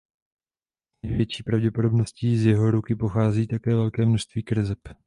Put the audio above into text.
S největší pravděpodobností z jeho ruky pochází také velké množství kreseb.